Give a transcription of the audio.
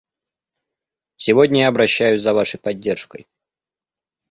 Сегодня я обращаюсь за вашей поддержкой.